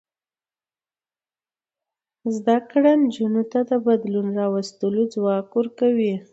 زده کړه نجونو ته د بدلون راوستلو ځواک ورکوي.